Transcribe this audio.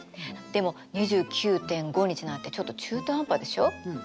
でも２９．５日なんてちょっと中途半端でしょ。